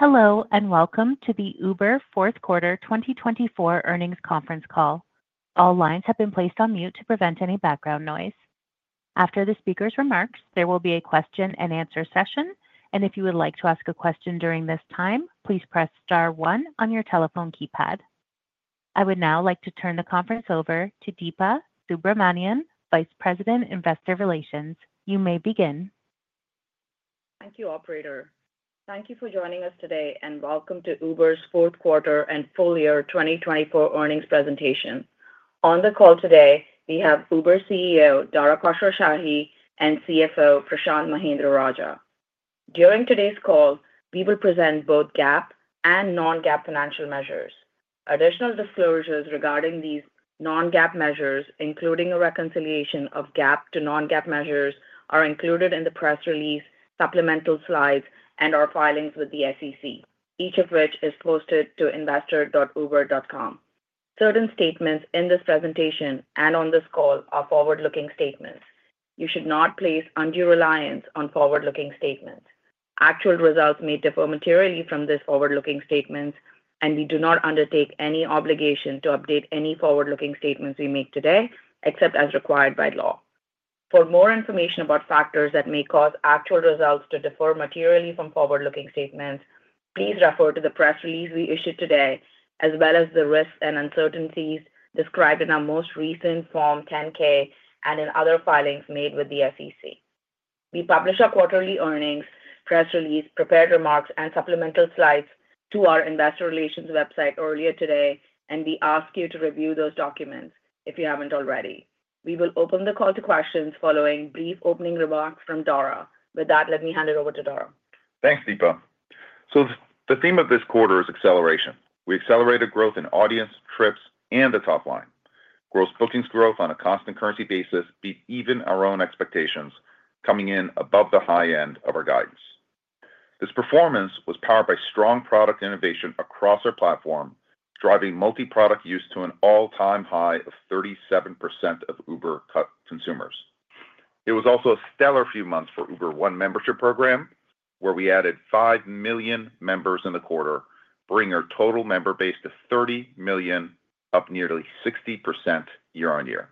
Hello and welcome to the Uber fourth quarter 2024 earnings conference call. All lines have been placed on mute to prevent any background noise. After the speaker's remarks, there will be a question-and-answer session, and if you would like to ask a question during this time, please press star one on your telephone keypad. I would now like to turn the conference over to Deepa Subramanian, Vice President, Investor Relations. You may begin. Thank you, Operator. Thank you for joining us today, and welcome to Uber's fourth quarter and full year 2024 earnings presentation. On the call today, we have Uber CEO Dara Khosrowshahi and CFO Prashanth Mahendra-Rajah. During today's call, we will present both GAAP and non-GAAP financial measures. Additional disclosures regarding these non-GAAP measures, including a reconciliation of GAAP to non-GAAP measures, are included in the press release, supplemental slides, and our filings with the SEC, each of which is posted to investor.uber.com. Certain statements in this presentation and on this call are forward-looking statements. You should not place undue reliance on forward-looking statements. Actual results may differ materially from these forward-looking statements, and we do not undertake any obligation to update any forward-looking statements we make today, except as required by law. For more information about factors that may cause actual results to differ materially from forward-looking statements, please refer to the press release we issued today, as well as the risks and uncertainties described in our most recent Form 10-K and in other filings made with the SEC. We published our quarterly earnings press release, prepared remarks, and supplemental slides to our investor relations website earlier today, and we ask you to review those documents if you haven't already. We will open the call to questions following brief opening remarks from Dara. With that, let me hand it over to Dara. Thanks, Deepa. So the theme of this quarter is acceleration. We accelerated growth in audience, trips, and the top line. Gross bookings growth on a constant currency basis beat even our own expectations, coming in above the high end of our guidance. This performance was powered by strong product innovation across our platform, driving multi-product use to an all-time high of 37% of Uber consumers. It was also a stellar few months for Uber One membership program, where we added five million members in the quarter, bringing our total member base to 30 million, up nearly 60% year-on-year.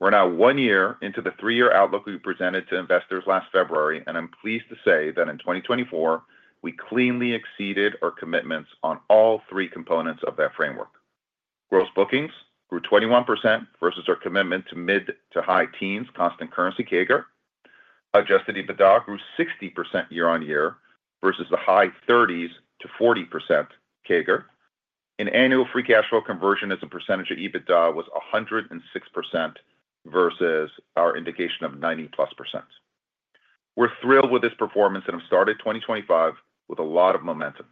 We're now one year into the three-year outlook we presented to investors last February, and I'm pleased to say that in 2024, we cleanly exceeded our commitments on all three components of that framework. Gross bookings grew 21% versus our commitment to mid to high teens, constant currency CAGR. Adjusted EBITDA grew 60% year-on-year versus the high 30s to 40% CAGR. An annual free cash flow conversion as a percentage of EBITDA was 106% versus our indication of 90%+. We're thrilled with this performance and have started 2025 with a lot of momentum.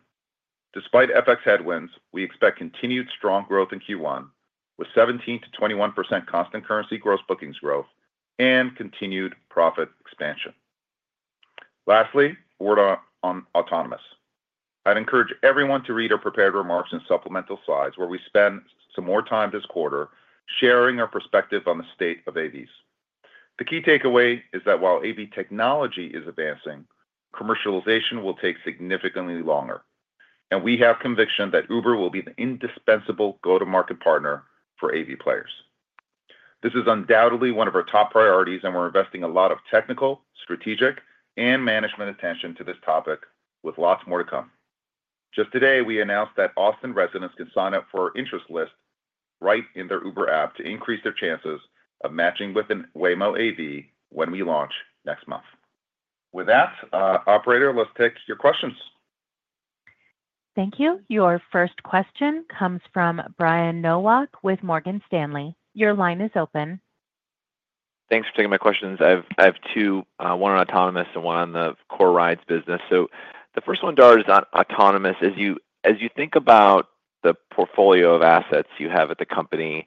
Despite FX headwinds, we expect continued strong growth in Q1 with 17%-21% constant currency gross bookings growth and continued profit expansion. Lastly, a word on autonomous. I'd encourage everyone to read our prepared remarks and supplemental slides where we spend some more time this quarter sharing our perspective on the state of AVs. The key takeaway is that while AV technology is advancing, commercialization will take significantly longer, and we have conviction that Uber will be the indispensable go-to-market partner for AV players. This is undoubtedly one of our top priorities, and we're investing a lot of technical, strategic, and management attention to this topic with lots more to come. Just today, we announced that Austin residents can sign up for our interest list right in their Uber app to increase their chances of matching with Waymo AV when we launch next month. With that, Operator, let's take your questions. Thank you. Your first question comes from Brian Nowak with Morgan Stanley. Your line is open. Thanks for taking my questions. I have two, one on autonomous and one on the core rides business. So the first one, Dara, is autonomous. As you think about the portfolio of assets you have at the company,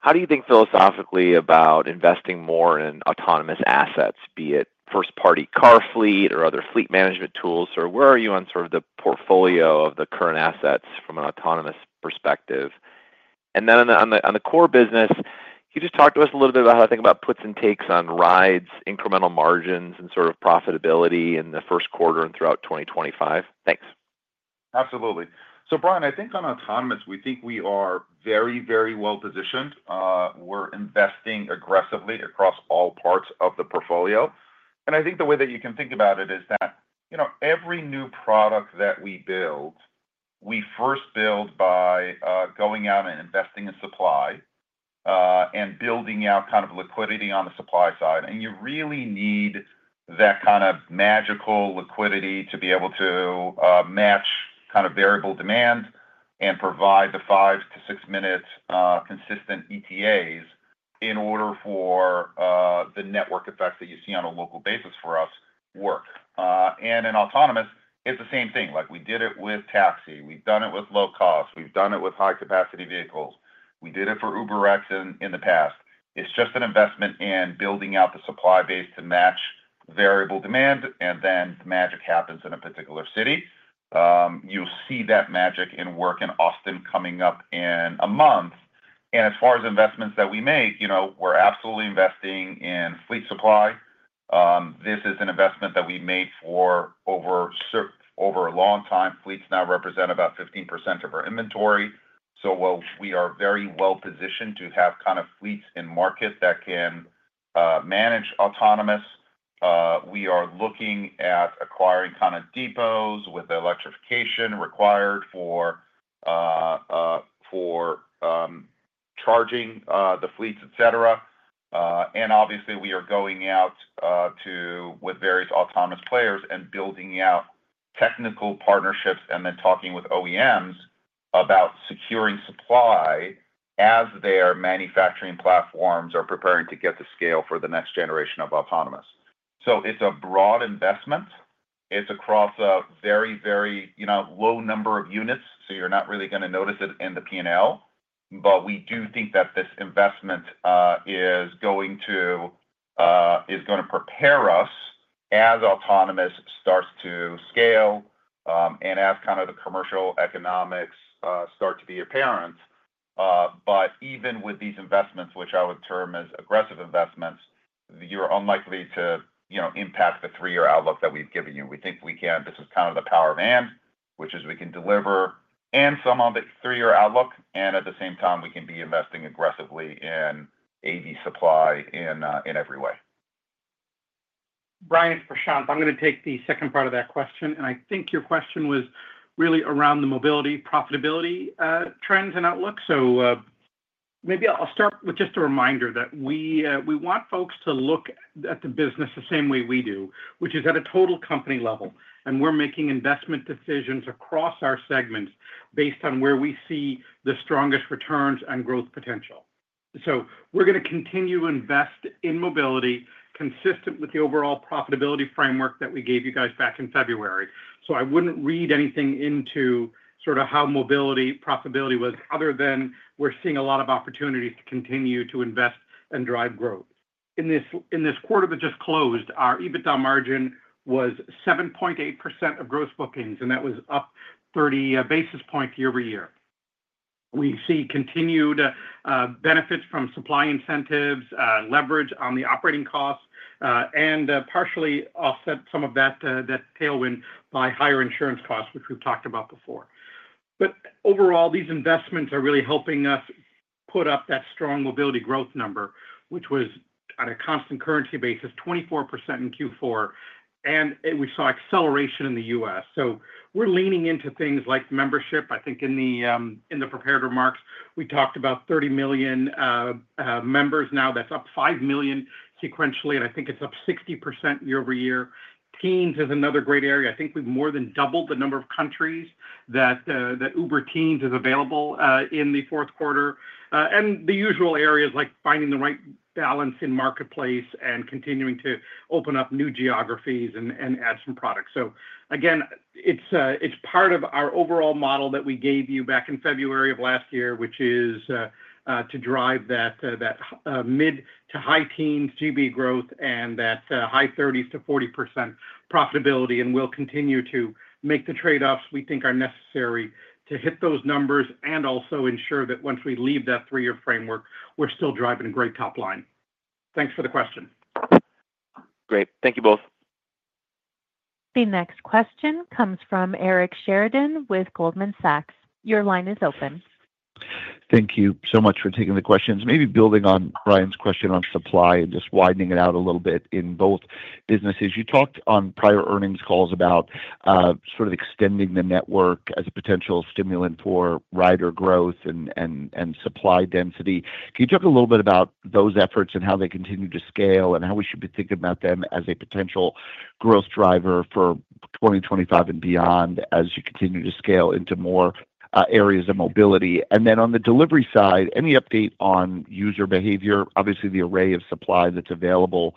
how do you think philosophically about investing more in autonomous assets, be it first-party car fleet or other fleet management tools, or where are you on sort of the portfolio of the current assets from an autonomous perspective? And then on the core business, can you just talk to us a little bit about how to think about puts and takes on rides, incremental margins, and sort of profitability in the first quarter and throughout 2025? Thanks. Absolutely. So Brian, I think on autonomous, we think we are very, very well positioned. We're investing aggressively across all parts of the portfolio. And I think the way that you can think about it is that every new product that we build, we first build by going out and investing in supply and building out kind of liquidity on the supply side. And you really need that kind of magical liquidity to be able to match kind of variable demand and provide the five- to six-minute consistent ETAs in order for the network effects that you see on a local basis for us to work. And in autonomous, it's the same thing. We did it with taxi. We've done it with low cost. We've done it with high-capacity vehicles. We did it for UberX in the past. It's just an investment in building out the supply base to match variable demand, and then the magic happens in a particular city. You'll see that magic at work in Austin coming up in a month. As far as investments that we make, we're absolutely investing in fleet supply. This is an investment that we made for over a long time. Fleets now represent about 15% of our inventory. We are very well positioned to have kind of fleets in market that can manage autonomous. We are looking at acquiring kind of depots with the electrification required for charging the fleets, etc. Obviously, we are going out with various autonomous players and building out technical partnerships and then talking with OEMs about securing supply as their manufacturing platforms are preparing to get to scale for the next generation of autonomous. It's a broad investment. It's across a very, very low number of units, so you're not really going to notice it in the P&L. But we do think that this investment is going to prepare us as autonomous starts to scale and as kind of the commercial economics start to be apparent. But even with these investments, which I would term as aggressive investments, you're unlikely to impact the three-year outlook that we've given you. We think we can. This is kind of the power of Uber, which is we can deliver on some of the three-year outlook, and at the same time, we can be investing aggressively in AV supply in every way. Brian, it's Prashanth, I'm going to take the second part of that question, and I think your question was really around the mobility profitability trends and outlook, so maybe I'll start with just a reminder that we want folks to look at the business the same way we do, which is at a total company level, and we're making investment decisions across our segments based on where we see the strongest returns and growth potential, so we're going to continue to invest in mobility consistent with the overall profitability framework that we gave you guys back in February, so I wouldn't read anything into sort of how mobility profitability was other than we're seeing a lot of opportunities to continue to invest and drive growth. In this quarter that just closed, our EBITDA margin was 7.8% of gross bookings, and that was up 30 basis points year-over-year. We see continued benefits from supply incentives, leverage on the operating costs, and partially offset some of that tailwind by higher insurance costs, which we've talked about before. But overall, these investments are really helping us put up that strong mobility growth number, which was on a constant currency basis, 24% in Q4. And we saw acceleration in the U.S. So we're leaning into things like membership. I think in the prepared remarks, we talked about 30 million members now. That's up 5 million sequentially. And I think it's up 60% year-over-year. Teens is another great area. I think we've more than doubled the number of countries that Uber Teens is available in the fourth quarter. And the usual areas like finding the right balance in marketplace and continuing to open up new geographies and add some products. So again, it's part of our overall model that we gave you back in February of last year, which is to drive that mid to high teens GB growth and that high 30s to 40% profitability. And we'll continue to make the trade-offs we think are necessary to hit those numbers and also ensure that once we leave that three-year framework, we're still driving a great top line. Thanks for the question. Great. Thank you both. The next question comes from Eric Sheridan with Goldman Sachs. Your line is open. Thank you so much for taking the questions. Maybe building on Brian's question on supply and just widening it out a little bit in both businesses. You talked on prior earnings calls about sort of extending the network as a potential stimulant for rider growth and supply density. Can you talk a little bit about those efforts and how they continue to scale and how we should be thinking about them as a potential growth driver for 2025 and beyond as you continue to scale into more areas of mobility? And then on the delivery side, any update on user behavior? Obviously, the array of supply that's available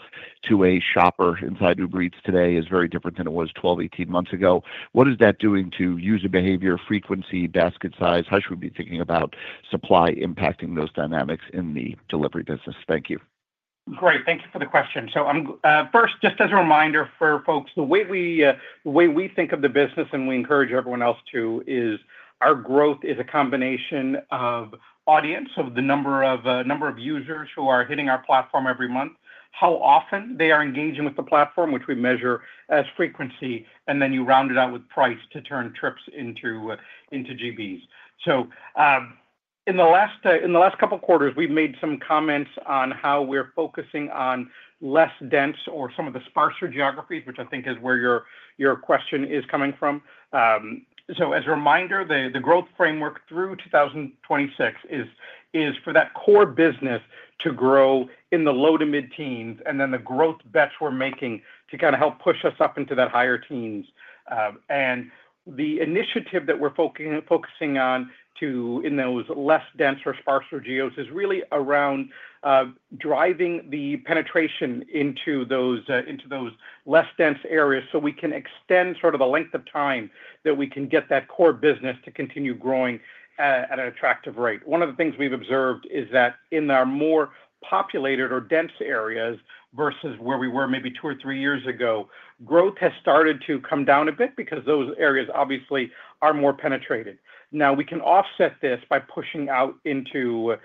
to a shopper inside Uber Eats today is very different than it was 12, 18 months ago. What is that doing to user behavior, frequency, basket size? How should we be thinking about supply impacting those dynamics in the delivery business? Thank you. Great. Thank you for the question. So first, just as a reminder for folks, the way we think of the business and we encourage everyone else to is our growth is a combination of audience, of the number of users who are hitting our platform every month, how often they are engaging with the platform, which we measure as frequency, and then you round it out with price to turn trips into GBs. So in the last couple of quarters, we've made some comments on how we're focusing on less dense or some of the sparser geographies, which I think is where your question is coming from. So as a reminder, the growth framework through 2026 is for that core business to grow in the low to mid teens and then the growth bets we're making to kind of help push us up into that higher teens. The initiative that we're focusing on in those less dense or sparser geos is really around driving the penetration into those less dense areas so we can extend sort of the length of time that we can get that core business to continue growing at an attractive rate. One of the things we've observed is that in our more populated or dense areas versus where we were maybe two or three years ago, growth has started to come down a bit because those areas obviously are more penetrated. Now, we can offset this by pushing out into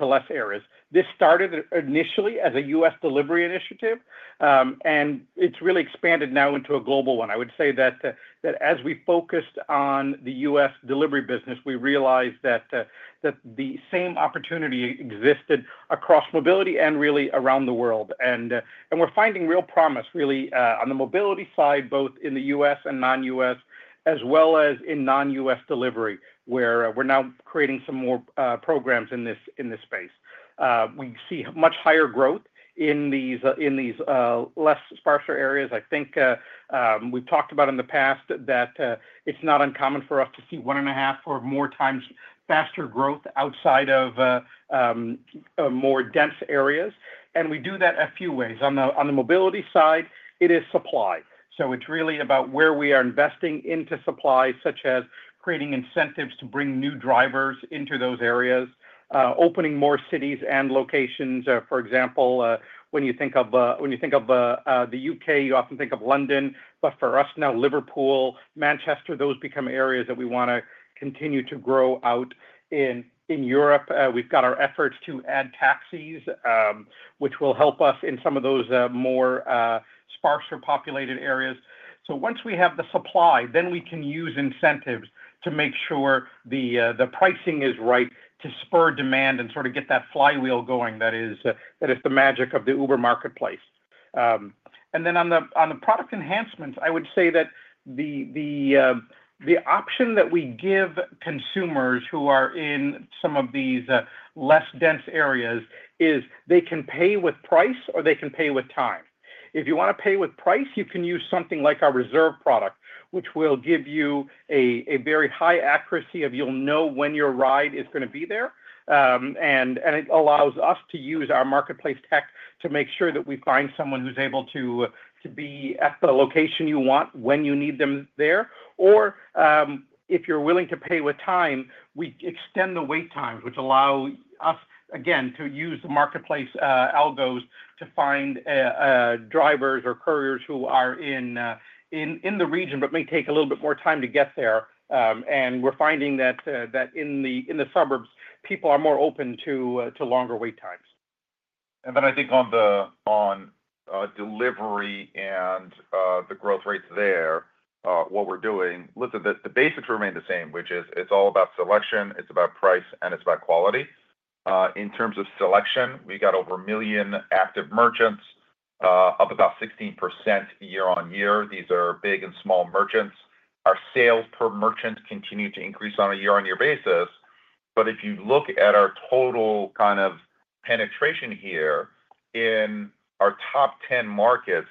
less areas. This started initially as a U.S. delivery initiative, and it's really expanded now into a global one. I would say that as we focused on the U.S. delivery business, we realized that the same opportunity existed across mobility and really around the world. And we're finding real promise really on the mobility side, both in the U.S. and non-U.S., as well as in non-U.S. delivery, where we're now creating some more programs in this space. We see much higher growth in these less sparser areas. I think we've talked about in the past that it's not uncommon for us to see one and a half or more times faster growth outside of more dense areas. And we do that a few ways. On the mobility side, it is supply. So it's really about where we are investing into supply, such as creating incentives to bring new drivers into those areas, opening more cities and locations. For example, when you think of the U.K., you often think of London, but for us now, Liverpool, Manchester, those become areas that we want to continue to grow out in Europe. We've got our efforts to add taxis, which will help us in some of those more sparsely populated areas. So once we have the supply, then we can use incentives to make sure the pricing is right to spur demand and sort of get that flywheel going. That is the magic of the Uber marketplace. And then on the product enhancements, I would say that the option that we give consumers who are in some of these less dense areas is they can pay with price or they can pay with time. If you want to pay with price, you can use something like our Reserve product, which will give you a very high accuracy of you'll know when your ride is going to be there. And it allows us to use our marketplace tech to make sure that we find someone who's able to be at the location you want when you need them there. Or if you're willing to pay with time, we extend the wait times, which allow us, again, to use the marketplace algos to find drivers or couriers who are in the region, but may take a little bit more time to get there. And we're finding that in the suburbs, people are more open to longer wait times. And then I think on the delivery and the growth rates there, what we're doing. Listen, the basics remain the same, which is it's all about selection, it's about price, and it's about quality. In terms of selection, we've got over a million active merchants of about 16% year-on-year. These are big and small merchants. Our sales per merchant continue to increase on a year-on-year basis. But if you look at our total kind of penetration here in our top 10 markets,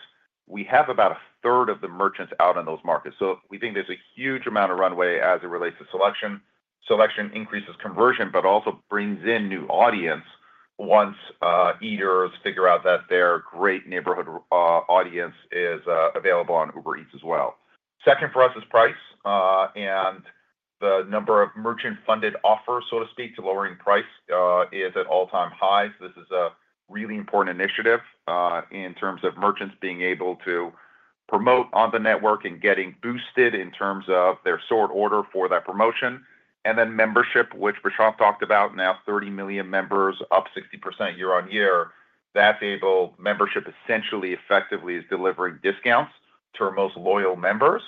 we have about a third of the merchants out in those markets. So we think there's a huge amount of runway as it relates to selection. Selection increases conversion, but also brings in new audience once eaters figure out that their great neighborhood audience is available on Uber Eats as well. Second for us is price. And the number of merchant-funded offers, so to speak, to lowering price is at all-time highs. This is a really important initiative in terms of merchants being able to promote on the network and getting boosted in terms of their sort order for that promotion. And then membership, which Prashanth talked about, now 30 million members, up 60% year-on-year. That's able membership essentially effectively is delivering discounts to our most loyal members.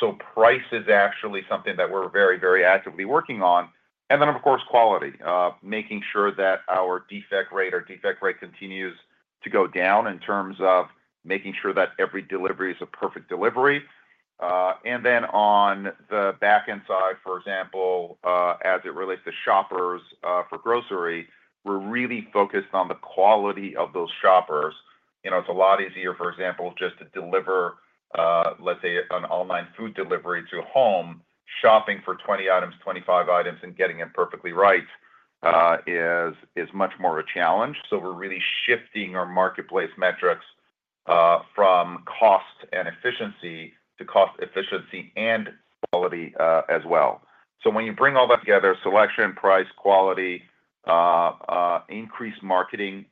So price is actually something that we're very, very actively working on. And then, of course, quality, making sure that our defect rate or defect rate continues to go down in terms of making sure that every delivery is a perfect delivery. And then on the backend side, for example, as it relates to shoppers for grocery, we're really focused on the quality of those shoppers. It's a lot easier, for example, just to deliver, let's say, an online food delivery to a home, shopping for 20 items, 25 items, and getting it perfectly right is much more of a challenge. So we're really shifting our marketplace metrics from cost and efficiency to cost efficiency and quality as well. So when you bring all that together, selection, price, quality, increased marketing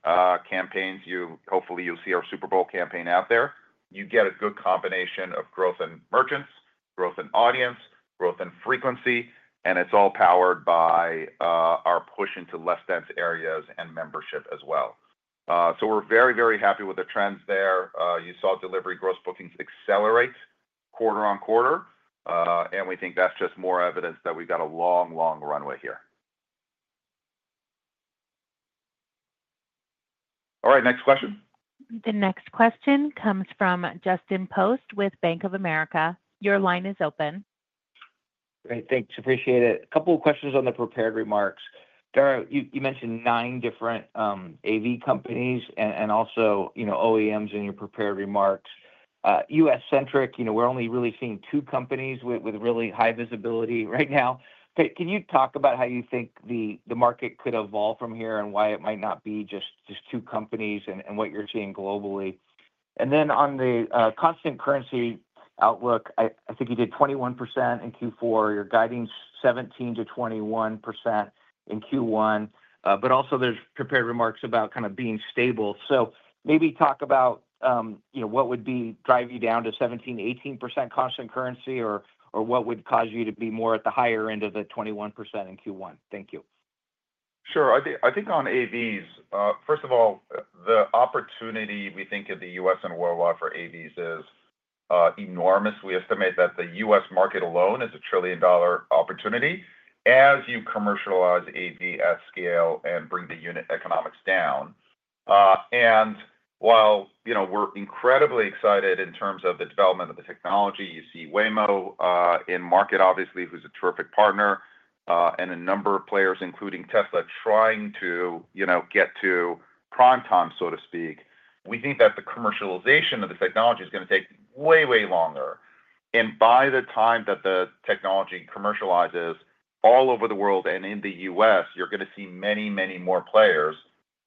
campaigns, hopefully you'll see our Super Bowl campaign out there, you get a good combination of growth in merchants, growth in audience, growth in frequency, and it's all powered by our push into less dense areas and membership as well. So we're very, very happy with the trends there. You saw delivery gross bookings accelerate quarter on quarter. And we think that's just more evidence that we've got a long, long runway here. All right. Next question. The next question comes from Justin Post with Bank of America. Your line is open. Great. Thanks. Appreciate it. A couple of questions on the prepared remarks. Dara, you mentioned nine different AV companies and also OEMs in your prepared remarks. US-centric, we're only really seeing two companies with really high visibility right now. Can you talk about how you think the market could evolve from here and why it might not be just two companies and what you're seeing globally? And then on the constant currency outlook, I think you did 21% in Q4. You're guiding 17%-21% in Q1. But also there's prepared remarks about kind of being stable. So maybe talk about what would drive you down to 17%-18% constant currency or what would cause you to be more at the higher end of the 21% in Q1. Thank you. Sure. I think on AVs, first of all, the opportunity we think of the U.S. and worldwide for AVs is enormous. We estimate that the U.S. market alone is a $1 trillion opportunity as you commercialize AV at scale and bring the unit economics down. And while we're incredibly excited in terms of the development of the technology, you see Waymo in market, obviously, who's a terrific partner, and a number of players, including Tesla, trying to get to prime time, so to speak, we think that the commercialization of the technology is going to take way, way longer. And by the time that the technology commercializes all over the world and in the U.S., you're going to see many, many more players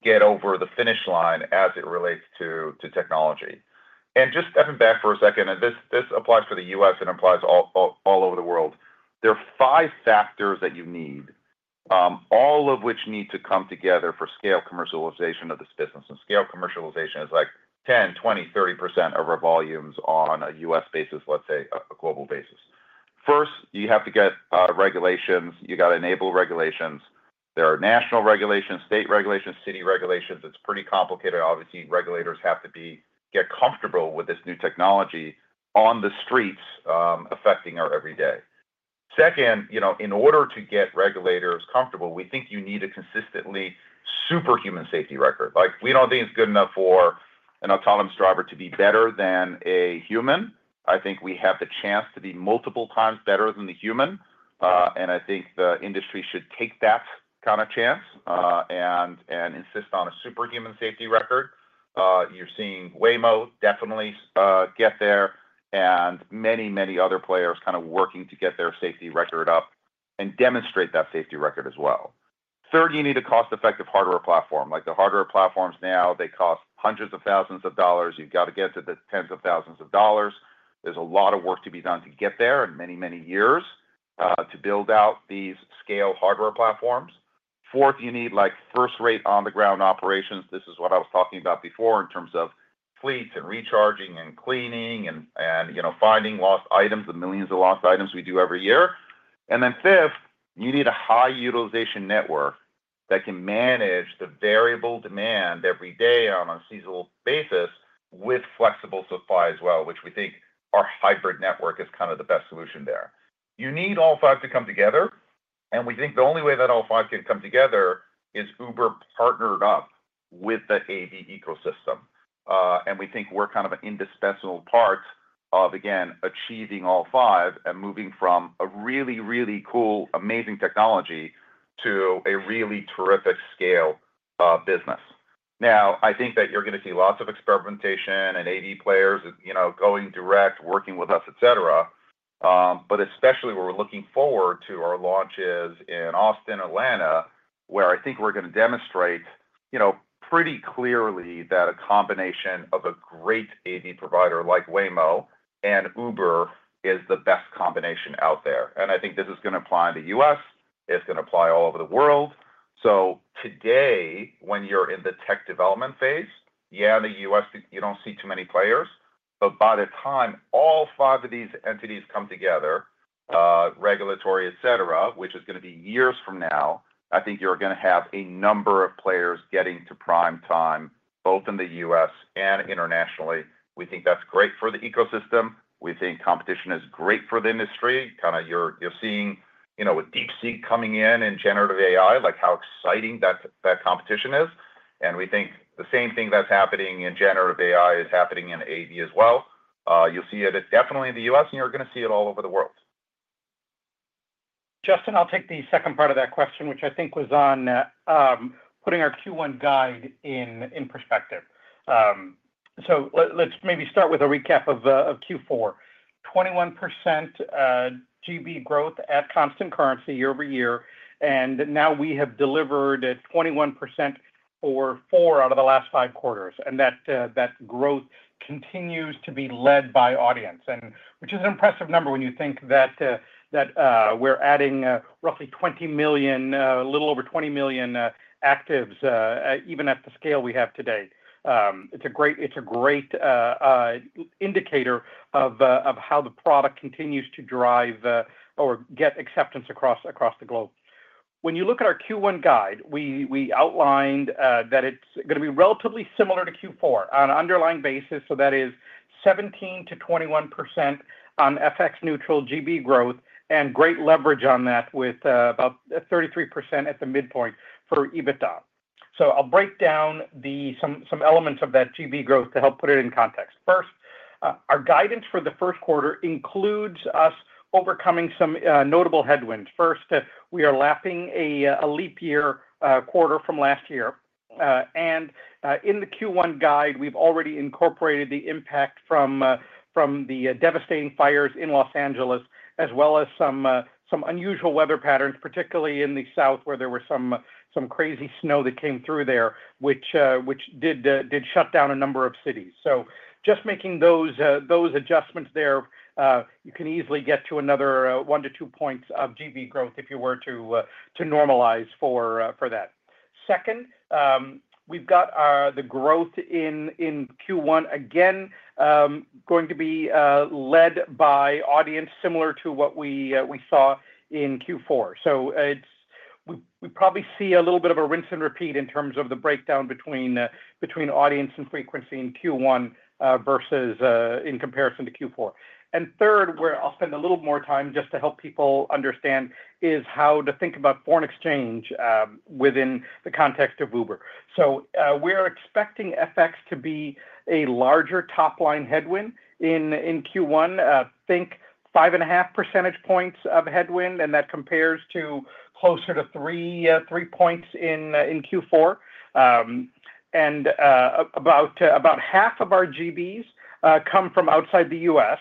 get over the finish line as it relates to technology. And just stepping back for a second, and this applies for the U.S. and applies all over the world, there are five factors that you need, all of which need to come together for scale commercialization of this business. And scale commercialization is like 10%, 20%, 30% of our volumes on a U.S. basis, let's say, a global basis. First, you have to get regulations. You got to enable regulations. There are national regulations, state regulations, city regulations. It's pretty complicated. Obviously, regulators have to get comfortable with this new technology on the streets affecting our everyday. Second, in order to get regulators comfortable, we think you need a consistently superhuman safety record. We don't think it's good enough for an autonomous driver to be better than a human. I think we have the chance to be multiple times better than the human. And I think the industry should take that kind of chance and insist on a superhuman safety record. You're seeing Waymo definitely get there and many, many other players kind of working to get their safety record up and demonstrate that safety record as well. Third, you need a cost-effective hardware platform. The hardware platforms now, they cost hundreds of thousands of dollars. You've got to get to the tens of thousands of dollars. There's a lot of work to be done to get there and many, many years to build out these scale hardware platforms. Fourth, you need first-rate on-the-ground operations. This is what I was talking about before in terms of fleets and recharging and cleaning and finding lost items, the millions of lost items we do every year. And then, fifth, you need a high utilization network that can manage the variable demand every day on a seasonal basis with flexible supply as well, which we think our hybrid network is kind of the best solution there. You need all five to come together. And we think the only way that all five can come together is Uber partnered up with the AV ecosystem. And we think we're kind of an indispensable part of, again, achieving all five and moving from a really, really cool, amazing technology to a really terrific scale business. Now, I think that you're going to see lots of experimentation and AV players going direct, working with us, etc. But especially where we're looking forward to our launch is in Austin, Atlanta, where I think we're going to demonstrate pretty clearly that a combination of a great AV provider like Waymo and Uber is the best combination out there. And I think this is going to apply in the U.S. It's going to apply all over the world. So today, when you're in the tech development phase, yeah, in the U.S., you don't see too many players. But by the time all five of these entities come together, regulatory, etc., which is going to be years from now, I think you're going to have a number of players getting to primetime both in the U.S. and internationally. We think that's great for the ecosystem. We think competition is great for the industry. Kind of you're seeing with DeepSeek coming in and generative AI, like how exciting that competition is. We think the same thing that's happening in generative AI is happening in AV as well. You'll see it definitely in the U.S., and you're going to see it all over the world. Justin, I'll take the second part of that question, which I think was on putting our Q1 guide in perspective, so let's maybe start with a recap of Q4. 21% GB growth at constant currency year-over-year, and now we have delivered at 21% or four out of the last five quarters, and that growth continues to be led by audience, which is an impressive number when you think that we're adding roughly 20 million, a little over 20 million actives, even at the scale we have today. It's a great indicator of how the product continues to drive or get acceptance across the globe. When you look at our Q1 guide, we outlined that it's going to be relatively similar to Q4 on an underlying basis. That is 17%-21% on FX-neutral GB growth and great leverage on that with about 33% at the midpoint for EBITDA. I'll break down some elements of that GB growth to help put it in context. First, our guidance for the first quarter includes us overcoming some notable headwinds. First, we are lapping a leap year quarter from last year. In the Q1 guide, we've already incorporated the impact from the devastating fires in Los Angeles as well as some unusual weather patterns, particularly in the South where there was some crazy snow that came through there, which did shut down a number of cities. Just making those adjustments there, you can easily get to another 1 points-2 points of GB growth if you were to normalize for that. Second, we've got the growth in Q1, again, going to be led by audience similar to what we saw in Q4. So we probably see a little bit of a rinse and repeat in terms of the breakdown between audience and frequency in Q1 versus in comparison to Q4. And third, where I'll spend a little more time just to help people understand is how to think about foreign exchange within the context of Uber. So we're expecting FX to be a larger top-line headwind in Q1. Think 5.5 percentage points of headwind, and that compares to closer to 3 points in Q4. And about half of our GBs come from outside the U.S.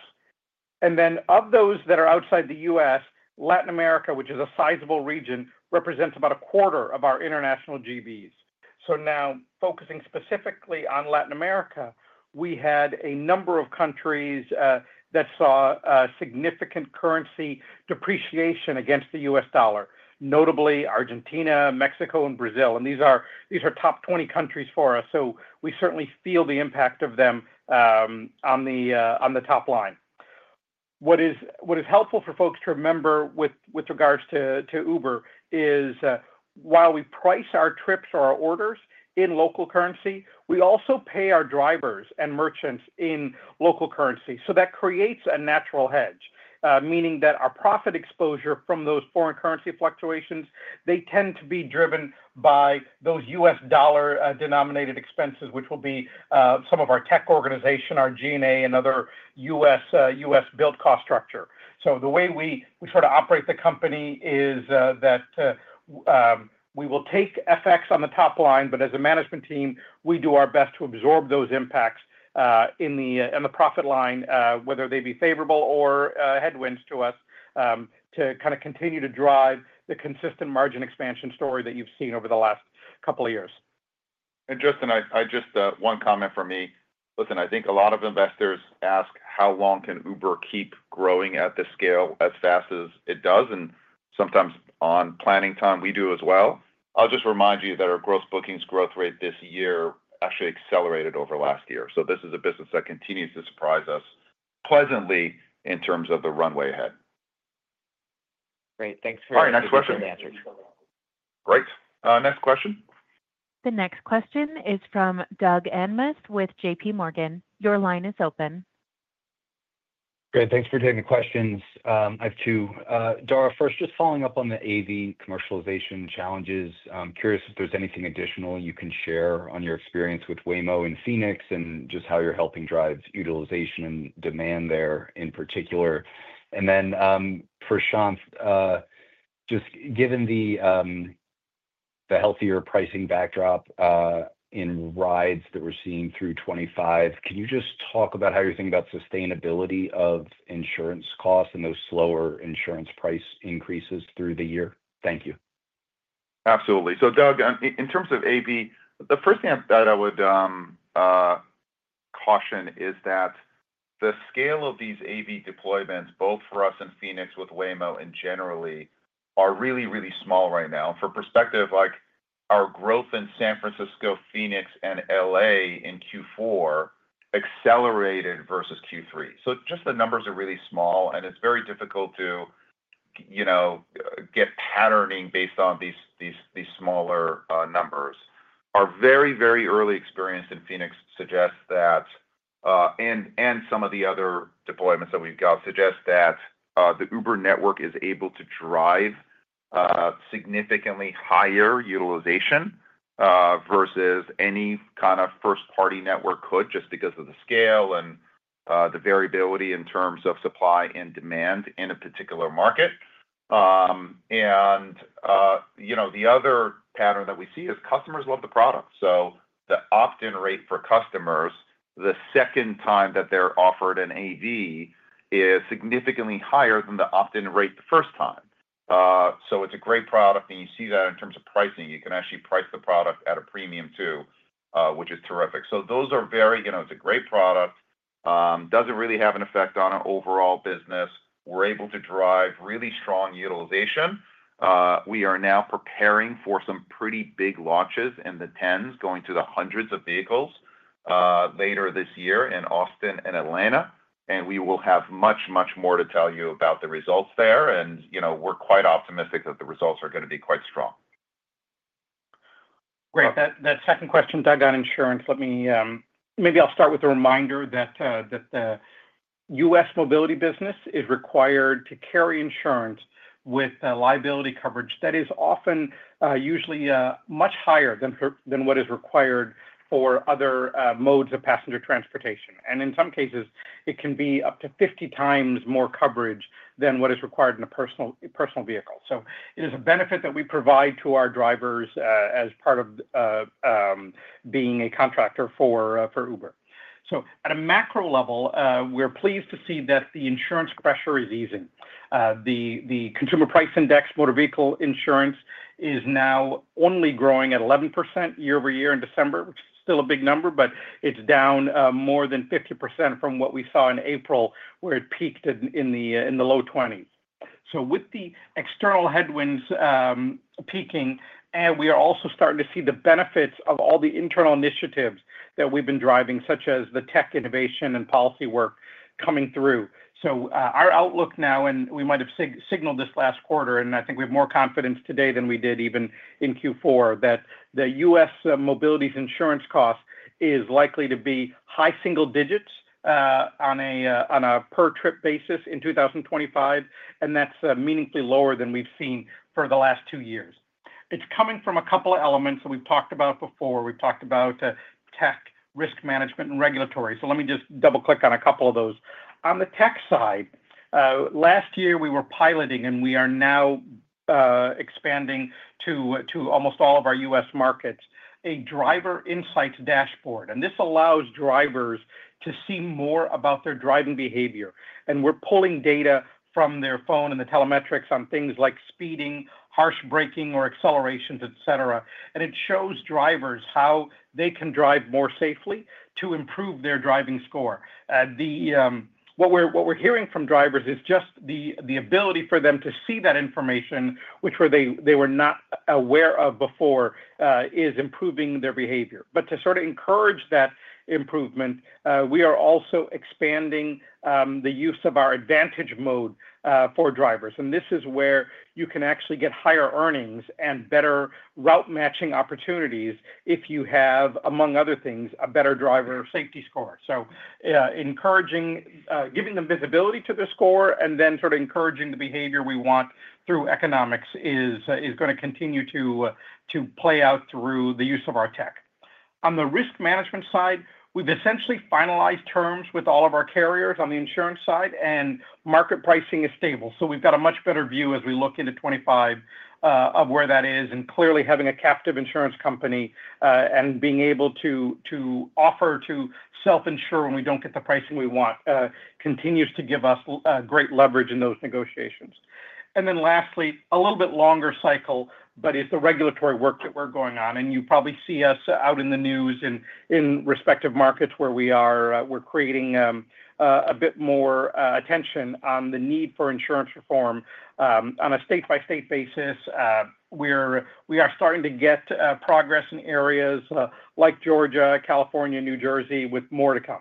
And then of those that are outside the U.S., Latin America, which is a sizable region, represents about a quarter of our international GBs. So now, focusing specifically on Latin America, we had a number of countries that saw significant currency depreciation against the U.S. dollar, notably Argentina, Mexico, and Brazil. And these are top 20 countries for us. So we certainly feel the impact of them on the top line. What is helpful for folks to remember with regards to Uber is while we price our trips or our orders in local currency, we also pay our drivers and merchants in local currency. So that creates a natural hedge, meaning that our profit exposure from those foreign currency fluctuations, they tend to be driven by those U.S. dollar-denominated expenses, which will be some of our tech organization, our G&A, and other U.S. build cost structure. The way we sort of operate the company is that we will take FX on the top line, but as a management team, we do our best to absorb those impacts in the profit line, whether they be favorable or headwinds to us, to kind of continue to drive the consistent margin expansion story that you've seen over the last couple of years. Justin, I just have one comment from me. Listen, I think a lot of investors ask how long can Uber keep growing at this scale as fast as it does, and sometimes on planning time, we do as well. I'll just remind you that our gross bookings growth rate this year actually accelerated over last year, so this is a business that continues to surprise us pleasantly in terms of the runway ahead. Great. Thanks for. All right. Next question. Great. Next question. The next question is from Doug Anmuth with JPMorgan. Your line is open. Great. Thanks for taking the questions. I have two. Dara, first, just following up on the AV commercialization challenges, I'm curious if there's anything additional you can share on your experience with Waymo and Phoenix and just how you're helping drive utilization and demand there in particular. And then for Sean, just given the healthier pricing backdrop in rides that we're seeing through 2025, can you just talk about how you're thinking about sustainability of insurance costs and those slower insurance price increases through the year? Thank you. Absolutely. So Doug, in terms of AV, the first thing that I would caution is that the scale of these AV deployments, both for us and Phoenix with Waymo and generally, are really, really small right now. For perspective, our growth in San Francisco, Phoenix, and L.A. in Q4 accelerated versus Q3. So just the numbers are really small, and it's very difficult to get patterning based on these smaller numbers. Our very, very early experience in Phoenix suggests that, and some of the other deployments that we've got, suggest that the Uber network is able to drive significantly higher utilization versus any kind of first-party network could just because of the scale and the variability in terms of supply and demand in a particular market. And the other pattern that we see is customers love the product. The opt-in rate for customers, the second time that they're offered an AV, is significantly higher than the opt-in rate the first time. It's a great product, and you see that in terms of pricing. You can actually price the product at a premium too, which is terrific. Those are very. Doesn't really have an effect on our overall business. We're able to drive really strong utilization. We are now preparing for some pretty big launches in the tens, going to the hundreds of vehicles later this year in Austin and Atlanta. We will have much, much more to tell you about the results there. We're quite optimistic that the results are going to be quite strong. Great. That second question, Doug, on insurance, let me maybe I'll start with a reminder that the U.S. mobility business is required to carry insurance with liability coverage that is often usually much higher than what is required for other modes of passenger transportation. And in some cases, it can be up to 50x more coverage than what is required in a personal vehicle. So it is a benefit that we provide to our drivers as part of being a contractor for Uber. So at a macro level, we're pleased to see that the insurance pressure is easing. The Consumer Price Index motor vehicle insurance is now only growing at 11% year-over-year in December, which is still a big number, but it's down more than 50% from what we saw in April, where it peaked in the low 20s. So with the external headwinds peaking, we are also starting to see the benefits of all the internal initiatives that we've been driving, such as the tech innovation and policy work coming through. So our outlook now, and we might have signaled this last quarter, and I think we have more confidence today than we did even in Q4, that the U.S. mobility's insurance cost is likely to be high single digits on a per-trip basis in 2025. And that's meaningfully lower than we've seen for the last two years. It's coming from a couple of elements that we've talked about before. We've talked about tech risk management and regulatory. So let me just double-click on a couple of those. On the tech side, last year, we were piloting, and we are now expanding to almost all of our U.S. markets, a driver insights dashboard. This allows drivers to see more about their driving behavior. We're pulling data from their phone and the telemetry on things like speeding, harsh braking, or accelerations, etc. It shows drivers how they can drive more safely to improve their driving score. What we're hearing from drivers is just the ability for them to see that information, which they were not aware of before, is improving their behavior. To sort of encourage that improvement, we are also expanding the use of our Advantage Mode for drivers. This is where you can actually get higher earnings and better route matching opportunities if you have, among other things, a better driver safety score. Giving them visibility to their score and then sort of encouraging the behavior we want through economics is going to continue to play out through the use of our tech. On the risk management side, we've essentially finalized terms with all of our carriers on the insurance side, and market pricing is stable, so we've got a much better view as we look into 2025 of where that is, and clearly, having a captive insurance company and being able to offer to self-insure when we don't get the pricing we want continues to give us great leverage in those negotiations, and then lastly, a little bit longer cycle, but it's the regulatory work that we're going on, and you probably see us out in the news and in respective markets where we are. We're creating a bit more attention on the need for insurance reform on a state-by-state basis. We are starting to get progress in areas like Georgia, California, New Jersey, with more to come.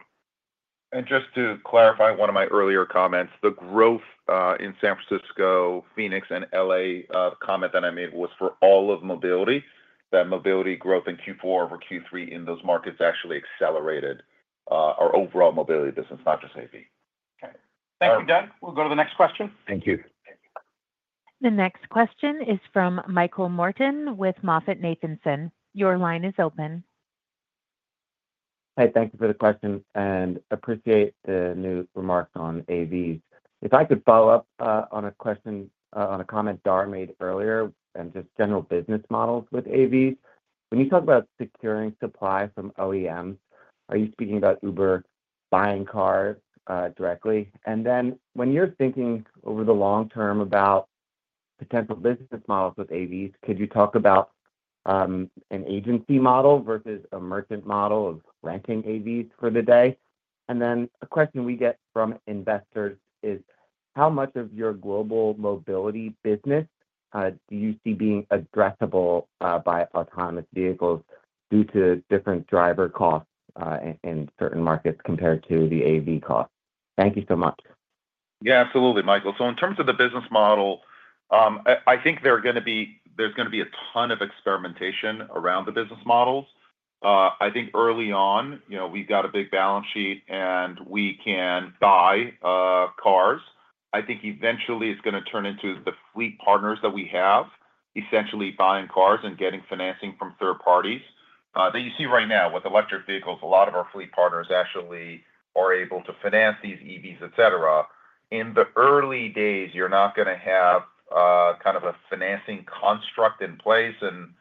And just to clarify one of my earlier comments, the growth in San Francisco, Phoenix, and L.A. comment that I made was for all of mobility. That mobility growth in Q4 over Q3 in those markets actually accelerated our overall mobility business, not just AV. Okay. Thank you, Doug. We'll go to the next question. Thank you. The next question is from Michael Morton with MoffettNathanson. Your line is open. Hi. Thank you for the question, and I appreciate the new remarks on AVs. If I could follow up on a question, on a comment Dara made earlier and just general business models with AVs, when you talk about securing supply from OEMs, are you speaking about Uber buying cars directly? And then when you're thinking over the long term about potential business models with AVs, could you talk about an agency model versus a merchant model of renting AVs for the day? And then a question we get from investors is, how much of your global mobility business do you see being addressable by autonomous vehicles due to different driver costs in certain markets compared to the AV costs? Thank you so much. Yeah, absolutely, Michael. So in terms of the business model, I think there's going to be a ton of experimentation around the business models. I think early on, we've got a big balance sheet, and we can buy cars. I think eventually it's going to turn into the fleet partners that we have essentially buying cars and getting financing from third parties. That you see right now with electric vehicles, a lot of our fleet partners actually are able to finance these EVs, etc. In the early days, you're not going to have kind of a financing construct in place and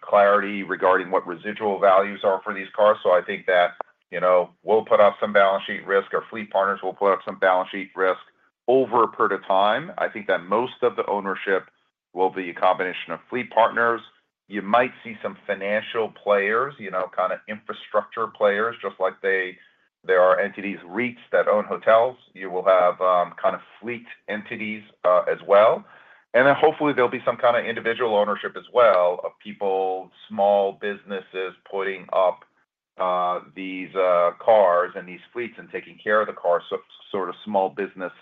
clarity regarding what residual values are for these cars. So I think that we'll put up some balance sheet risk. Our fleet partners will put up some balance sheet risk over a period of time. I think that most of the ownership will be a combination of fleet partners. You might see some financial players, kind of infrastructure players, just like there are entities, REITs that own hotels. You will have kind of fleet entities as well. And then hopefully, there'll be some kind of individual ownership as well of people, small businesses putting up these cars and these fleets and taking care of the cars, sort of small business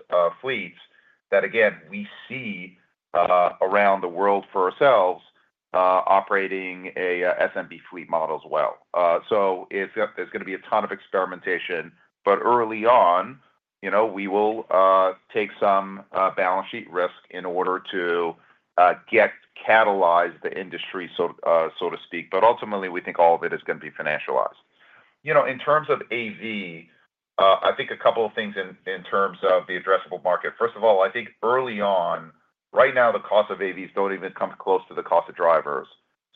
fleets that, again, we see around the world for ourselves operating an SMB fleet model as well. So there's going to be a ton of experimentation. But early on, we will take some balance sheet risk in order to get catalyzed the industry, so to speak. But ultimately, we think all of it is going to be financialized. In terms of AV, I think a couple of things in terms of the addressable market. First of all, I think early on, right now, the cost of AVs don't even come close to the cost of drivers.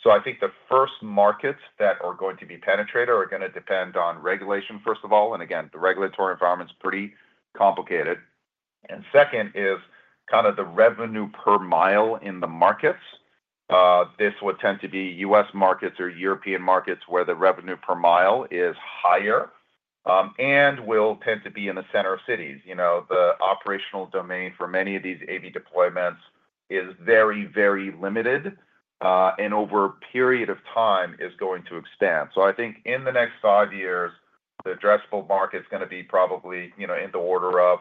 So I think the first markets that are going to be penetrated are going to depend on regulation, first of all. And again, the regulatory environment is pretty complicated. And second is kind of the revenue per mile in the markets. This will tend to be U.S. markets or European markets where the revenue per mile is higher and will tend to be in the center of cities. The operational domain for many of these AV deployments is very, very limited and over a period of time is going to expand. So I think in the next five years, the addressable market's going to be probably in the order of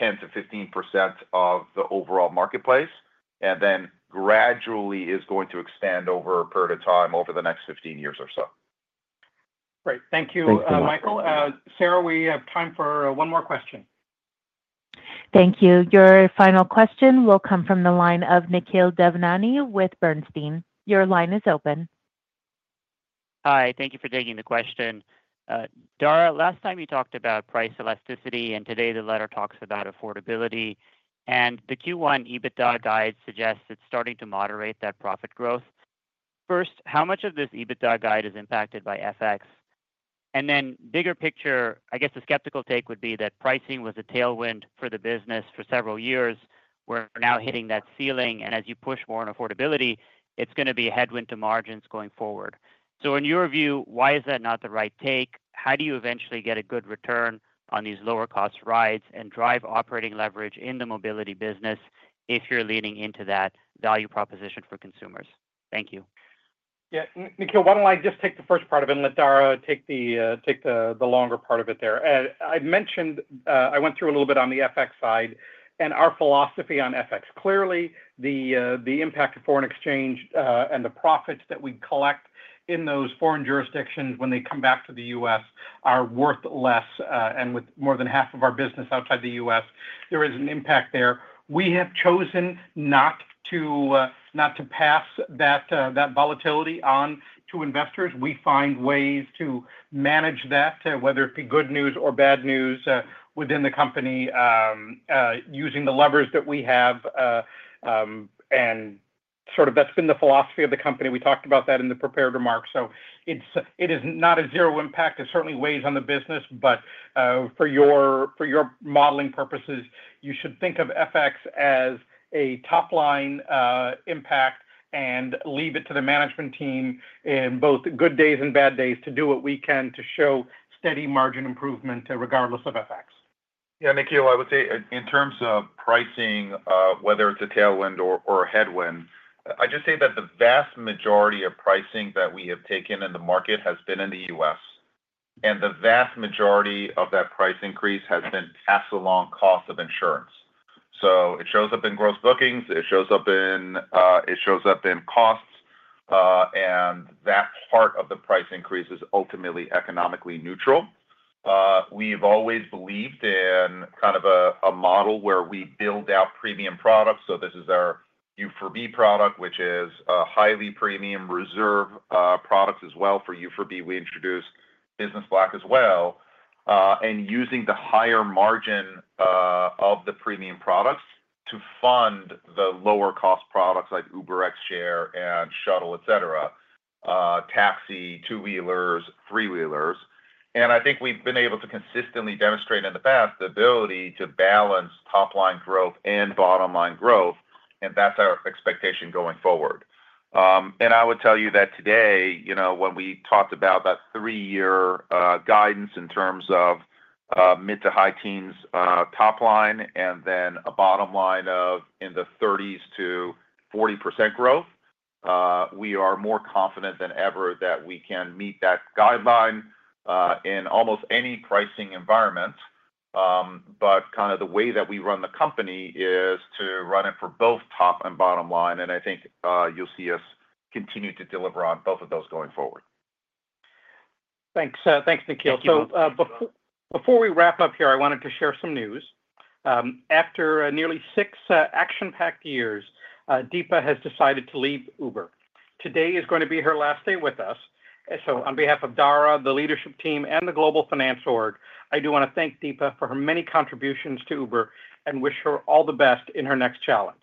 10%-15% of the overall marketplace and then gradually is going to expand over a period of time over the next 15 years or so. Great. Thank you, Michael. Sarah, we have time for one more question. Thank you. Your final question will come from the line of Nikhil Devnani with Bernstein. Your line is open. Hi. Thank you for taking the question. Dara, last time you talked about price elasticity, and today the letter talks about affordability. And the Q1 EBITDA guide suggests it's starting to moderate that profit growth. First, how much of this EBITDA guide is impacted by FX? And then bigger picture, I guess the skeptical take would be that pricing was a tailwind for the business for several years. We're now hitting that ceiling. And as you push more on affordability, it's going to be a headwind to margins going forward. So in your view, why is that not the right take? How do you eventually get a good return on these lower-cost rides and drive operating leverage in the mobility business if you're leaning into that value proposition for consumers? Thank you. Yeah. Nikhil, why don't I just take the first part of it and let Dara take the longer part of it there? I went through a little bit on the FX side and our philosophy on FX. Clearly, the impact of foreign exchange and the profits that we collect in those foreign jurisdictions when they come back to the U.S. are worth less, and with more than half of our business outside the U.S., there is an impact there. We have chosen not to pass that volatility on to investors. We find ways to manage that, whether it be good news or bad news within the company using the levers that we have, and sort of that's been the philosophy of the company. We talked about that in the prepared remarks, so it is not a zero impact. It certainly weighs on the business. But for your modeling purposes, you should think of FX as a top-line impact and leave it to the management team in both good days and bad days to do what we can to show steady margin improvement regardless of FX. Yeah. Nikhil, I would say in terms of pricing, whether it's a tailwind or a headwind, I just say that the vast majority of pricing that we have taken in the market has been in the U.S. And the vast majority of that price increase has been passed along cost of insurance. So it shows up in gross bookings. It shows up in costs. And that part of the price increase is ultimately economically neutral. We've always believed in kind of a model where we build out premium products. So this is our U4B product, which is a highly premium Reserve product as well for U4B. We introduced Business Black as well and using the higher margin of the premium products to fund the lower-cost products like UberX Share and Shuttle, etc., taxi, two-wheelers, three-wheelers. I think we've been able to consistently demonstrate in the past the ability to balance top-line growth and bottom-line growth. That's our expectation going forward. I would tell you that today, when we talked about that three-year guidance in terms of mid to high teens top line and then a bottom line of in the 30%-40% growth, we are more confident than ever that we can meet that guideline in almost any pricing environment. Kind of the way that we run the company is to run it for both top and bottom line. I think you'll see us continue to deliver on both of those going forward. Thanks. Thanks, Nikhil. So before we wrap up here, I wanted to share some news. After nearly six action-packed years, Deepa has decided to leave Uber. Today is going to be her last day with us. So on behalf of Dara, the leadership team, and the Global Finance Org, I do want to thank Deepa for her many contributions to Uber and wish her all the best in her next challenge.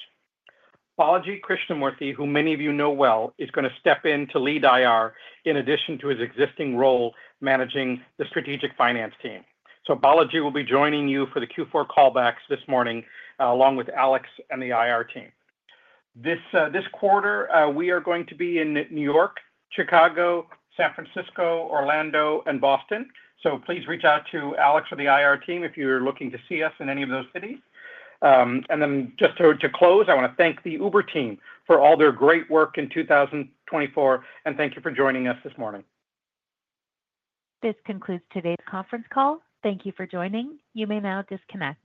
Balaji Krishnamurthy, who many of you know well, is going to step in to lead IR in addition to his existing role managing the strategic finance team. So Balaji will be joining you for the Q4 callbacks this morning along with Alex and the IR team. This quarter, we are going to be in New York, Chicago, San Francisco, Orlando, and Boston. So please reach out to Alex or the IR team if you're looking to see us in any of those cities. And then just to close, I want to thank the Uber team for all their great work in 2024. And thank you for joining us this morning. This concludes today's conference call. Thank you for joining. You may now disconnect.